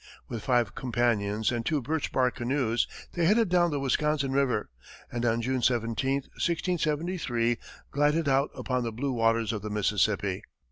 With five companions and two birchbark canoes, they headed down the Wisconsin river, and on June 17, 1673, glided out upon the blue waters of the Mississippi.